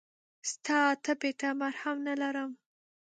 ستا ټپ ته مرهم نه لرم !